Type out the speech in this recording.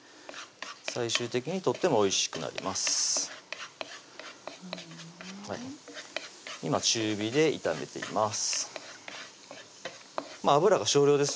最終的にとってもおいしくなりますふん今中火で炒めています